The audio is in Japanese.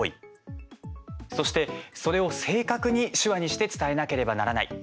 そして、それを正確に手話にして伝えなければならない。